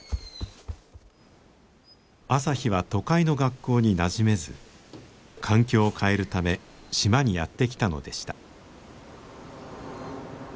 朝陽は都会の学校になじめず環境を変えるため島にやって来たのでした。